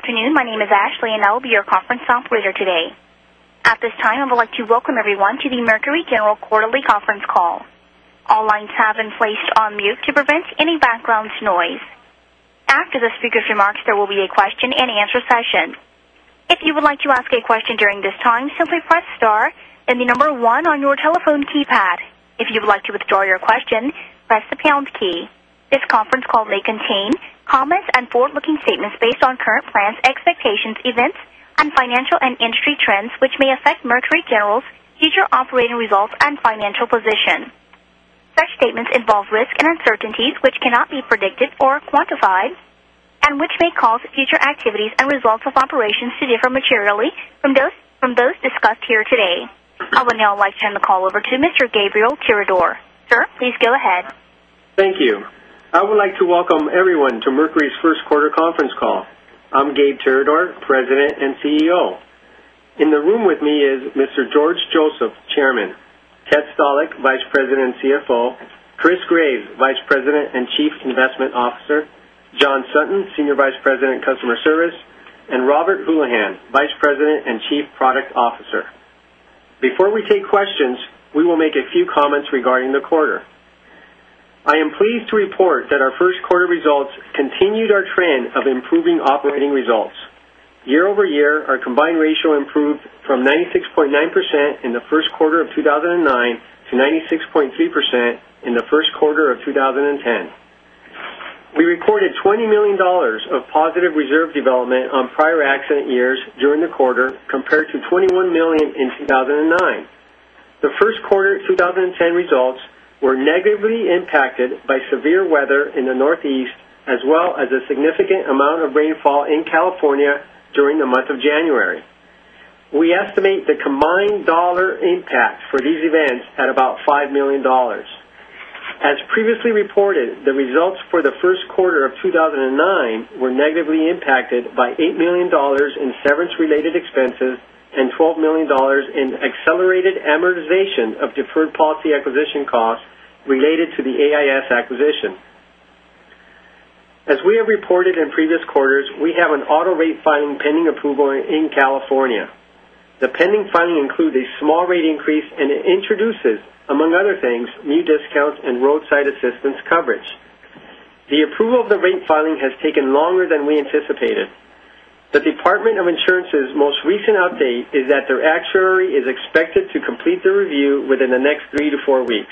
Good afternoon. My name is Ashley, and I will be your conference operator today. At this time, I would like to welcome everyone to the Mercury General quarterly conference call. All lines have been placed on mute to prevent any background noise. After the speaker's remarks, there will be a question-and-answer session. If you would like to ask a question during this time, simply press star and the number one on your telephone keypad. If you would like to withdraw your question, press the pound key. This conference call may contain comments and forward-looking statements based on current plans, expectations, events, and financial and industry trends, which may affect Mercury General's future operating results and financial position. Such statements involve risks and uncertainties which cannot be predicted or quantified, and which may cause future activities and results of operations to differ materially from those discussed here today. I would now like to turn the call over to Mr. Gabriel Tirador. Sir, please go ahead. Thank you. I would like to welcome everyone to Mercury's first quarter conference call. I'm Gabe Tirador, President and CEO. In the room with me is Mr. George Joseph, Chairman, Ted Stalick, Vice President and CFO, Chris Graves, Vice President and Chief Investment Officer, John Sutton, Senior Vice President, Customer Service, and Robert Houlahan, Vice President and Chief Product Officer. Before we take questions, we will make a few comments regarding the quarter. I am pleased to report that our first quarter results continued our trend of improving operating results. Year-over-year, our combined ratio improved from 96.9% in the first quarter of 2009 to 96.3% in the first quarter of 2010. We recorded $20 million of positive reserve development on prior accident years during the quarter, compared to $21 million in 2009. The first quarter 2010 results were negatively impacted by severe weather in the Northeast, as well as a significant amount of rainfall in California during the month of January. We estimate the combined dollar impact for these events at about $5 million. As previously reported, the results for the first quarter of 2009 were negatively impacted by $8 million in severance related expenses and $12 million in accelerated amortization of deferred policy acquisition costs related to the AIS acquisition. As we have reported in previous quarters, we have an auto rate filing pending approval in California. The pending filing includes a small rate increase, and it introduces, among other things, new discounts and roadside assistance coverage. The approval of the rate filing has taken longer than we anticipated. The Department of Insurance's most recent update is that their actuary is expected to complete the review within the next three to four weeks.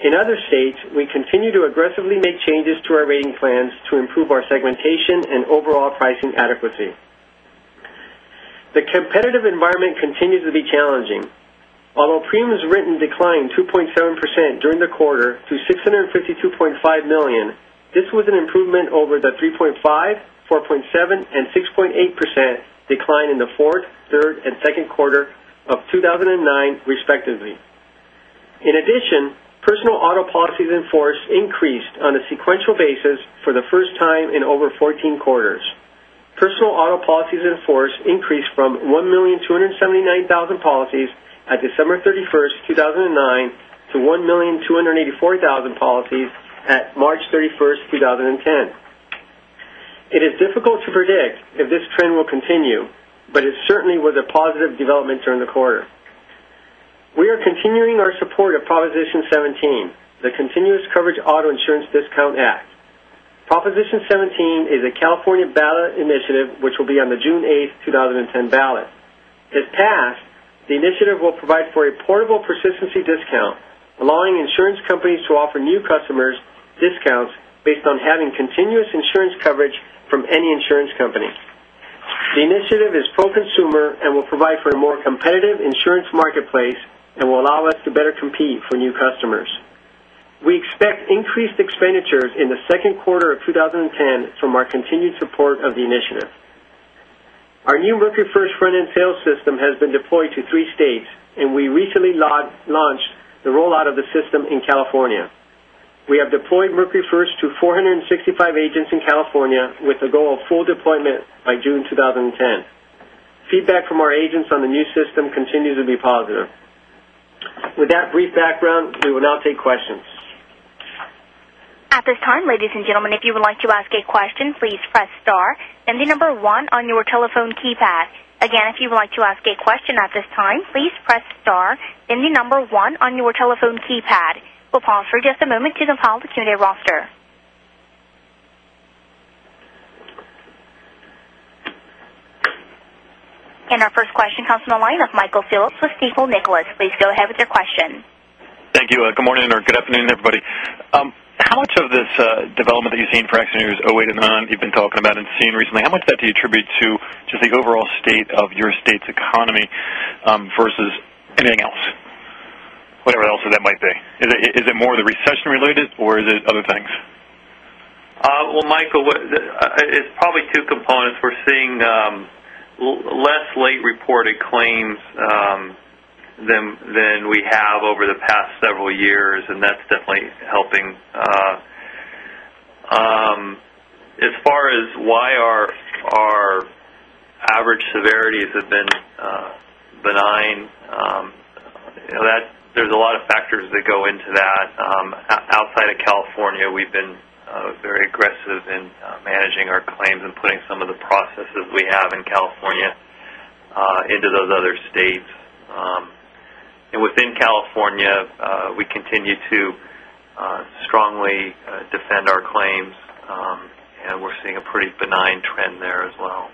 In other states, we continue to aggressively make changes to our rating plans to improve our segmentation and overall pricing adequacy. The competitive environment continues to be challenging. Although premiums written declined 2.7% during the quarter to $652.5 million, this was an improvement over the 3.5%, 4.7%, and 6.8% decline in the fourth, third, and second quarter of 2009 respectively. In addition, personal auto policies in force increased on a sequential basis for the first time in over 14 quarters. Personal auto policies in force increased from 1,279,000 policies at December 31st, 2009, to 1,284,000 policies at March 31st, 2010. It is difficult to predict if this trend will continue, but it certainly was a positive development during the quarter. We are continuing our support of Proposition 17, the Continuous Coverage Auto Insurance Discount Act. Proposition 17 is a California ballot initiative which will be on the June 8th, 2010 ballot. If passed, the initiative will provide for a portable persistency discount, allowing insurance companies to offer new customers discounts based on having continuous insurance coverage from any insurance company. The initiative is pro-consumer and will provide for a more competitive insurance marketplace and will allow us to better compete for new customers. We expect increased expenditures in the second quarter of 2010 from our continued support of the initiative. Our new Mercury First front-end sales system has been deployed to three states, and we recently launched the rollout of the system in California. We have deployed Mercury First to 465 agents in California with a goal of full deployment by June 2010. Feedback from our agents on the new system continues to be positive. With that brief background, we will now take questions. At this time, ladies and gentlemen, if you would like to ask a question, please press star and the number 1 on your telephone keypad. Again, if you would like to ask a question at this time, please press star and the number 1 on your telephone keypad. We'll pause for just a moment to compile the attendee roster. Our first question comes on the line of Michael Phillips with Stifel, Nicolaus. Please go ahead with your question. Thank you. Good morning or good afternoon, everybody. How much of this development that you've seen for accident years 2008 and 2009 you've been talking about and seeing recently, how much of that do you attribute to just the overall state of your state's economy versus anything else? Whatever else that might be. Is it more the recession related or is it other things? Well, Michael, it's probably two components. We're seeing less late reported claims than we have over the past several years, and that's definitely helping. As far as why our average severities have been California, we've been very aggressive in managing our claims and putting some of the processes we have in California into those other states. Within California, we continue to strongly defend our claims. We're seeing a pretty benign trend there as well.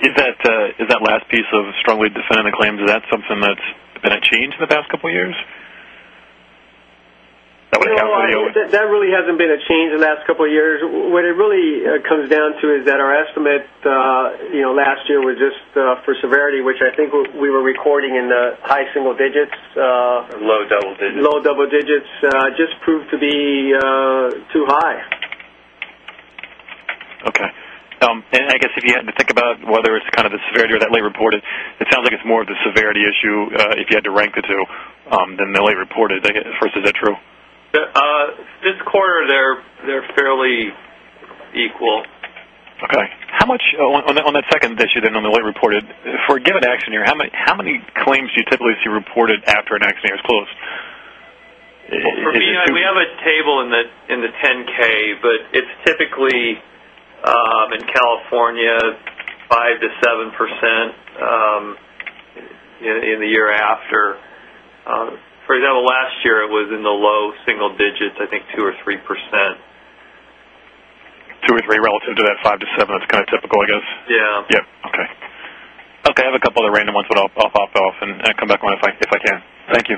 Is that last piece of strongly defending the claims, is that something that's been a change in the past couple of years? No, that really hasn't been a change in the last couple of years. What it really comes down to is that our estimate last year was just for severity, which I think we were recording in the high single digits. Low double digits. Low double digits. Just proved to be too high. Okay. I guess if you had to think about whether it's kind of the severity or that late reported, it sounds like it's more of the severity issue, if you had to rank the two, than the late reported. Chris, is that true? This quarter, they're fairly equal. Okay. How much, on that second issue then, on the late reported, for a given accident year, how many claims do you typically see reported after an accident year is closed? For PI, we have a table in the 10-K, it's typically, in California, 5-7% in the year after. For example, last year it was in the low single digits, I think 2% or 3%. Two or three relative to that five to seven. That's kind of typical, I guess. Yeah. Yep. Okay. Okay. I have a couple other random ones, I'll pop off and come back on if I can. Thank you.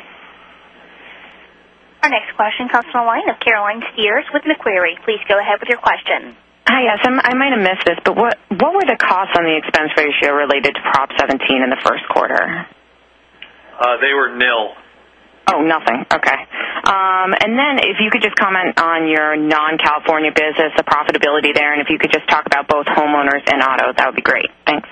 Our next question comes from the line of Caroline Steers with Macquarie. Please go ahead with your question. Hi, yes. I might have missed this, what were the costs on the expense ratio related to Prop 17 in the first quarter? They were nil. Oh, nothing. Okay. If you could just comment on your non-California business, the profitability there, and if you could just talk about both homeowners and auto, that would be great. Thanks.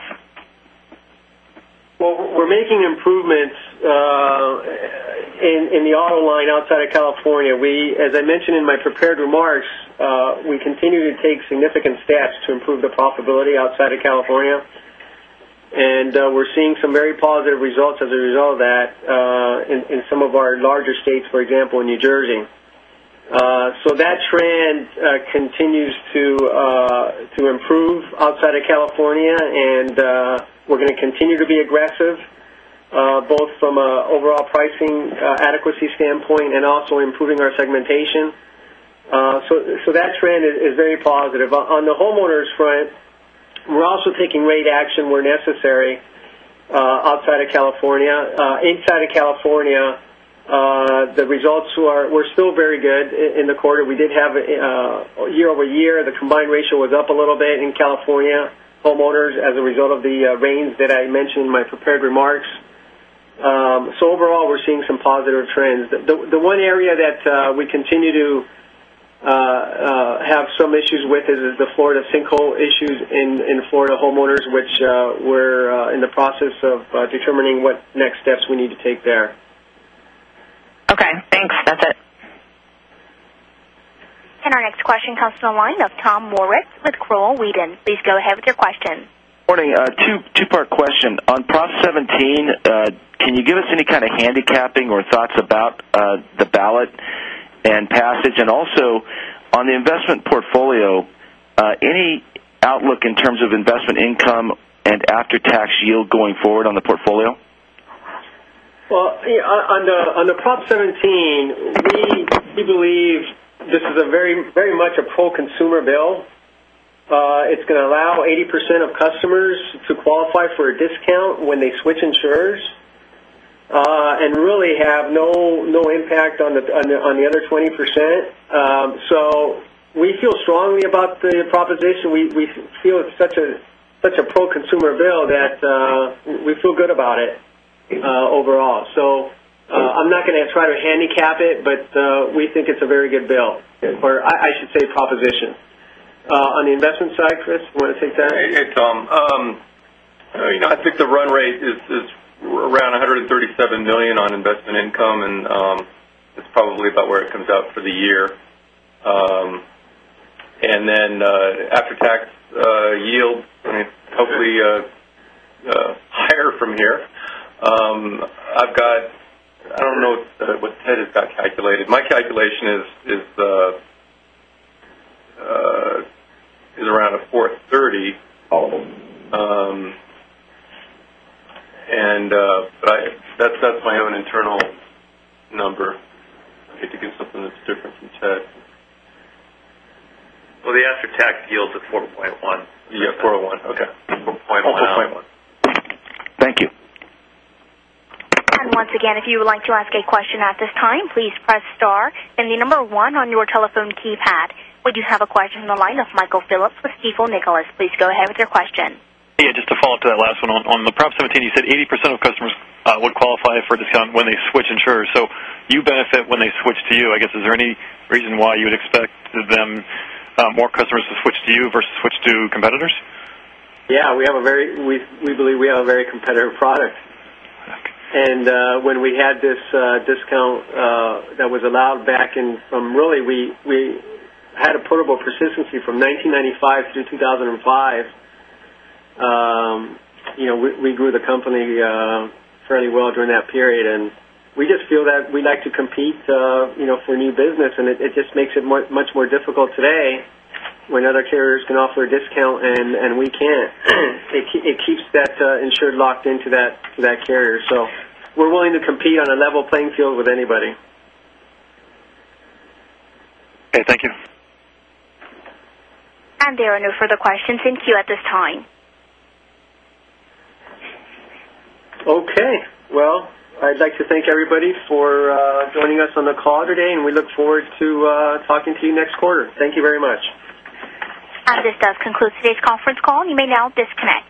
We're making improvements in the auto line outside of California. As I mentioned in my prepared remarks, we continue to take significant steps to improve the profitability outside of California. We're seeing some very positive results as a result of that in some of our larger states, for example, in New Jersey. That trend continues to improve outside of California and we're going to continue to be aggressive both from an overall pricing adequacy standpoint and also improving our segmentation. That trend is very positive. On the homeowners front, we're also taking rate action where necessary outside of California. Inside of California, the results were still very good in the quarter. We did have year-over-year, the combined ratio was up a little bit in California. Homeowners as a result of the rains that I mentioned in my prepared remarks. Overall, we're seeing some positive trends. The one area that we continue to have some issues with is the Florida sinkhole issues in Florida homeowners, which we're in the process of determining what next steps we need to take there. Thanks. That's it. Our next question comes from the line of Tom Moritz with Crowell Weedon. Please go ahead with your question. Morning. Two-part question. On Proposition 17, can you give us any kind of handicapping or thoughts about the ballot and passage? Also, on the investment portfolio, any outlook in terms of investment income and after-tax yield going forward on the portfolio? Well, on the Proposition 17, we believe this is very much a pro-consumer bill. It's going to allow 80% of customers to qualify for a discount when they switch insurers, and really have no impact on the other 20%. We feel strongly about the proposition. We feel it's such a pro-consumer bill that we feel good about it overall. I'm not going to try to handicap it, but we think it's a very good bill. Or I should say proposition. On the investment side, Chris, you want to take that? Hey, Tom. I think the run rate is around $137 million on investment income, and it's probably about where it comes out for the year. Then after-tax yield, hopefully higher from here. I don't know what Ted has got calculated. My calculation is around a 4.30. That's my own internal number. I'd hate to give something that's different from Ted. Well, the after-tax yield's a 4.1. Yeah, 4.1. Okay. 4.1. 4.1. Thank you. Once again, if you would like to ask a question at this time, please press star and the number 1 on your telephone keypad. We do have a question on the line of Michael Phillips with Stifel Nicolaus. Please go ahead with your question. Yeah, just to follow up to that last one. On the Prop 17, you said 80% of customers would qualify for a discount when they switch insurers. You benefit when they switch to you, I guess. Is there any reason why you would expect more customers to switch to you versus switch to competitors? Yeah, we believe we have a very competitive product. Okay. When we had this discount that was allowed back in from really, we had a portable persistency from 1995 through 2005. We grew the company fairly well during that period. We just feel that we like to compete for new business, and it just makes it much more difficult today when other carriers can offer a discount and we can't. It keeps that insured locked into that carrier. We're willing to compete on a level playing field with anybody. Okay. Thank you. There are no further questions. Thank you at this time. Okay. Well, I'd like to thank everybody for joining us on the call today, and we look forward to talking to you next quarter. Thank you very much. This does conclude today's conference call. You may now disconnect.